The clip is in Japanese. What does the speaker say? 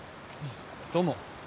どうも。